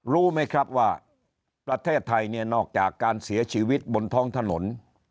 รู้ไหมครับว่าประเทศไทยเนี่ยนอกจากการเสียชีวิตบนท้องถนน